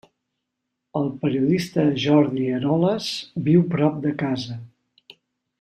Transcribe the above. El periodista Jordi Eroles viu prop de casa.